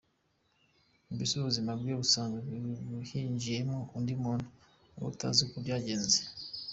Mbese mu buzima bwe busanzwe hinjiyemo undi muntu wowe utazi uko byagenze.